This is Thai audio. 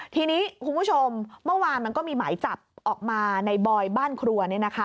ทีนี้คุณผู้ชมเมื่อวานมันก็มีหมายจับออกมาในบอยบ้านครัว